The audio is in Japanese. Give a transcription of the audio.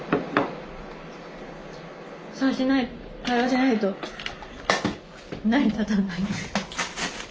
そうしないと会話しないと成り立たない。